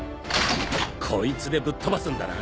こいつでぶっ飛ばすんだな。